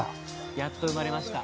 やっと生まれました。